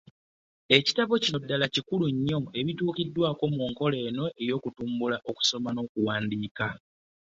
Ekitabo kino ddaala kkulu nnyo erituukiddwako mu nkola eno ey'okutumbula okusoma n’okuwandiika.